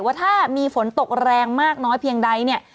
ว่าถ้ามีฝนตกแรงมากน้อยเพียงใดเนี่ย